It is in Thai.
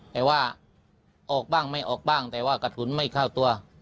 แต่ว่าออกบ้างไม่ออกบ้างแต่ว่ากระสุนไม่เข้าตัว